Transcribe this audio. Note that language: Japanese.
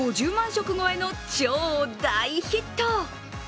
食超えの超大ヒット。